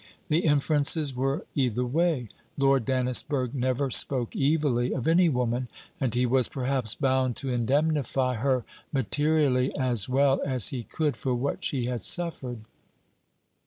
The inferences were either way. Lord Dannisburgh never spoke evilly of any woman, and he was perhaps bound to indemnify her materially as well as he could for what she had suffered.